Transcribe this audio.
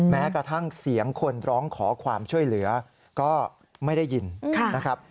แม้กระทั่งเสียงคนร้องขอความช่วยเหลือก็ไม่ได้ยินนะครับ